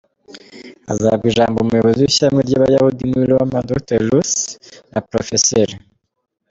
Hazahabwa ijambo umuyobozi w’ishyirahamwe ry’Abayahudi muri Roma, Dr Ruth Dureghello na Prof.